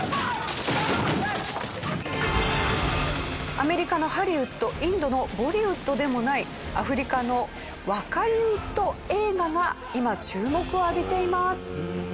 アメリカのハリウッドインドのボリウッドでもないアフリカのワカリウッド映画が今注目を浴びています。